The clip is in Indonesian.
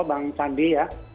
pak sandi ya